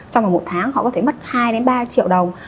trong một tháng họ có thể mất hai ba triệu đồng